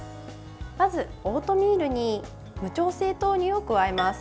まず、オートミールに無調整豆乳を加えます。